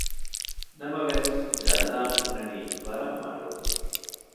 ނަމަވެސް ޖަލާން ހުންނަނީ ވަރަށް މަޑުން